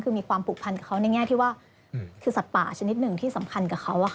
คือมีความผูกพันกับเขาในแง่ที่ว่าคือสัตว์ป่าชนิดหนึ่งที่สำคัญกับเขา